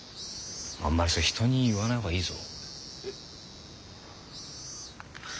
あんまりそれ人に言わない方がいいぞ。